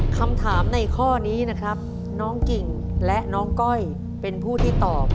คำถามในข้อนี้นะครับน้องกิ่งและน้องก้อยเป็นผู้ที่ตอบ